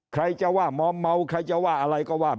ใครจะว่ามอมเมาใครจะว่าอะไรก็ว่า